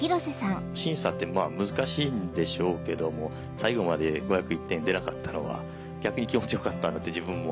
審査って難しいんでしょうけども最後まで５０１点出なかったのは逆に気持ちよかったなって自分も。